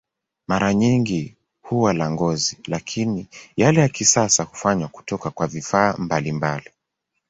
Mara nyingi huwa la ngozi, lakini yale ya kisasa hufanywa kutoka kwa vifaa mbalimbali.